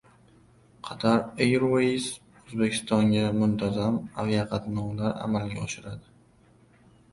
"Qatar Airways" O‘zbekistonga muntazam aviaqatnovlar amalga oshiradi